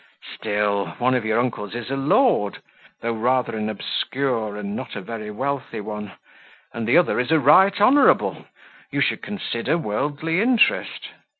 "Still one of your uncles is a lord, though rather an obscure and not a very wealthy one, and the other a right honourable: you should consider worldly interest."